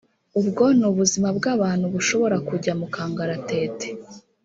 ubwo ni ubuzima bw’abantu bushobora kujya mu kangaratete